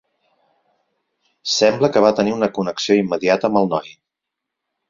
Sembla que va tenir una connexió immediata amb el noi.